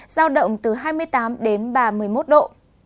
giao động từ hai mươi tám đến ba mươi một độ